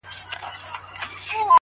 په دې ښار كي داسي ډېر به لېونيان وي!٫.